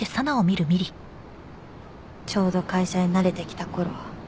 ちょうど会社に慣れてきたころ